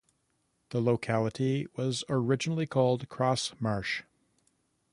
The locality was originally called Cross Marsh.